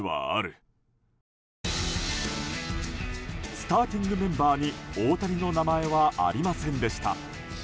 スターティングメンバーに大谷の名前はありませんでした。